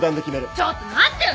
ちょっと待ってよ！